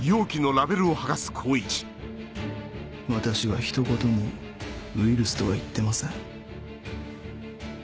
私はひと言もウイルスとは言ってません。